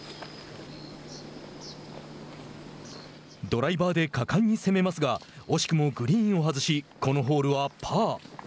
ドライバーで果敢に攻めますが惜しくもグリーンを外しこのホールはパー。